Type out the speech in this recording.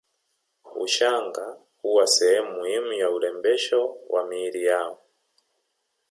Ushanga huwa sehemu muhimu ya urembesho wa miili yao